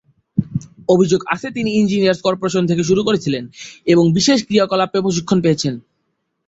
অভিযোগ আছে তিনি ইঞ্জিনিয়ার্স কর্পোরেশন থেকে শুরু করেছিলেন এবং বিশেষ ক্রিয়াকলাপে প্রশিক্ষণ পেয়েছেন।